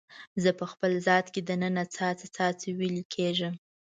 زه په خپل ذات کې د ننه څاڅکي، څاڅکي ویلي کیږم